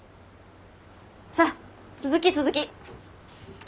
さあ続き続き。